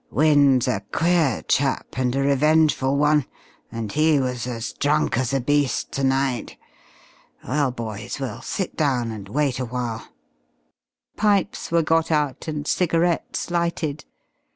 "Wynne's a queer chap and a revengeful one. And he was as drunk as a beast to night.... Well, boys we'll sit down and wait awhile." Pipes were got out and cigarettes lighted.